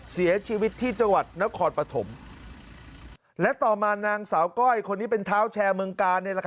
เสียชีวิตที่จังหวัดนครปฐมและต่อมานางสาวก้อยคนนี้เป็นเท้าแชร์เมืองกาล